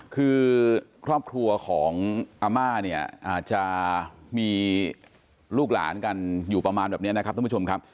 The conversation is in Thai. คือครอบครัวของอาม่าเนี่ยอาจจะมีลูกหลานกันอยู่ประมาณแบบนี้นะครับท่านผู้ชมครับ